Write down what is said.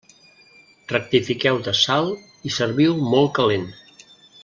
Rectifiqueu de sal i serviu molt calent.